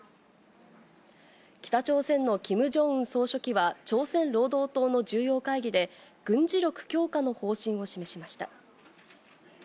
北朝鮮のキム・ジョンウン総書記は、朝鮮労働党の重要会議で、軍事力強化の方針を示しました。